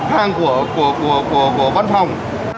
hàng của văn phòng